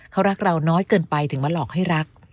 เขารักเราน้อยเกินไปถึงมาหลอกให้รัก